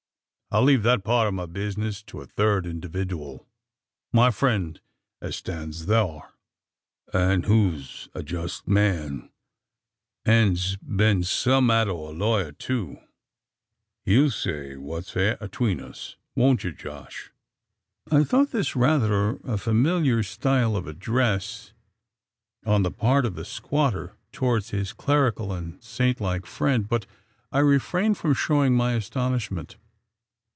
I'll leave that part o' the bizness to a third individooal my friend as stands thur; an' who's a just man, an's been some'at o' a lawyer too. He'll say what's fair atween us. Won't ye, Josh?" I thought this rather a familiar style of address, on the part of the squatter, towards his clerical and saint like friend; but I refrained from showing my astonishment.